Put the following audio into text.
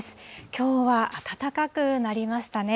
きょうは暖かくなりましたね。